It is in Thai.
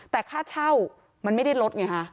แต่ค่าเช่ามันไม่ได้ลดไงฮะ